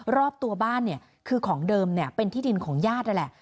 รอบตัวบ้านเนี่ยคือของเดิมเป็นที่ดินของญาตินั่นแหละ